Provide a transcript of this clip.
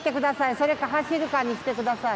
それか走るかにしてください